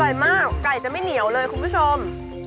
มากไก่จะไม่เหนียวเลยคุณผู้ชม